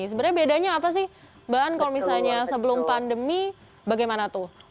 sebenarnya bedanya apa sih mbak an kalau misalnya sebelum pandemi bagaimana tuh